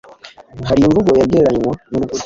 Hari imvugo yagereranywa n’urupfu,